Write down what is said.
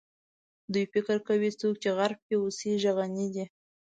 دوی فکر کوي څوک چې غرب کې اوسي غني دي.